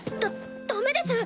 ダダメです